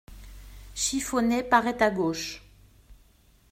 Chiffonnet paraît à gauche.